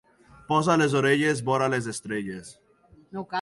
Posa les orelles vora les estrelles.